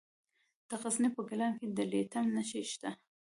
د غزني په ګیلان کې د لیتیم نښې شته.